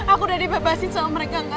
aku udah dibebasin sama mereka enggak